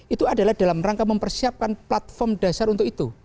itu adalah dalam rangka mempersiapkan platform dasar untuk itu